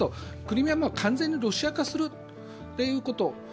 クリミアも完全にロシア化するということ。